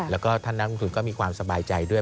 แล้วก็ท่านนักลงทุนก็มีความสบายใจด้วย